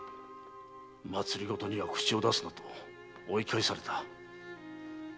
「政には口を出すな」と追い返された。